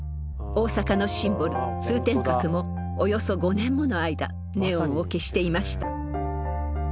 大阪のシンボル通天閣もおよそ５年もの間ネオンを消していました。